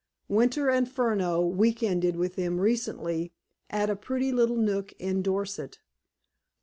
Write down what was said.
Winter and Furneaux week ended with them recently at a pretty little nook in Dorset.